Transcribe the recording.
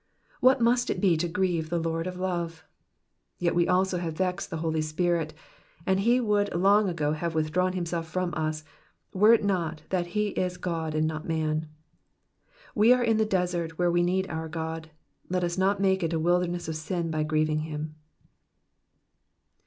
What must it be to grieve the Lord of love ! Yet we also have vexed the Holy Spirit, and he would long ago have withdrawn himself from us, were it not that he is God and not man. We are in the desert where we need our God, let us not make it a wilderness of sin by grieving him.